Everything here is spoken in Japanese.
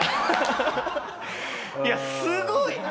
いやすごい！